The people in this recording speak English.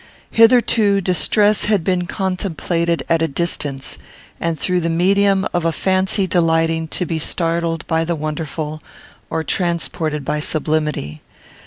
Hitherto distress had been contemplated at a distance, and through the medium of a fancy delighting to be startled by the wonderful, or transported by sublimity.